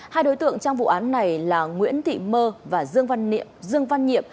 hai đối tượng trong vụ án này là nguyễn thị mơ và dương văn niệm